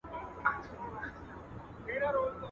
د سپي په غپ پسي مه ځه.